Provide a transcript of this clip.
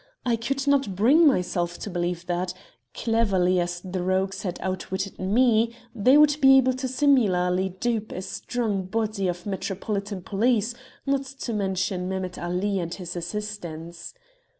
I could not bring myself to believe that, cleverly as the rogues had outwitted me, they would be able to similarly dupe a strong body of Metropolitan police, not to mention Mehemet Ali and his assistants.